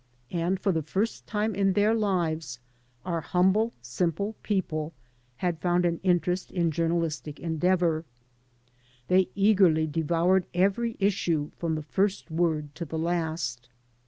And for the first time in their lives our humble, simple people had found an interest in jour nalistic endeavor. They eagerly devoured every issue from the first word to the last.